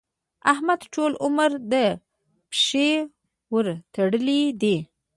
احمد ټول عمر د پيشي ورتړلې دي.